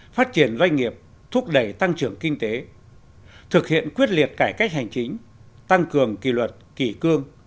phát triển doanh nghiệp thúc đẩy tăng trưởng kinh tế thực hiện quyết liệt cải cách hành chính tăng cường kỷ luật kỳ cương